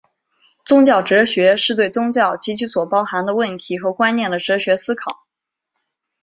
宗教哲学是对宗教以及其所包含的问题和观念的哲学思考。